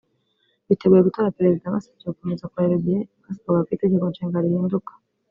Biteguye gutora Perezida basabye gukomeza kubayobora igihe basabaga ko itegeko nshinga rihinduka